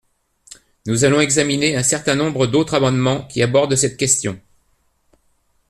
Nous allons examiner un certain nombre d’autres amendements qui abordent cette question.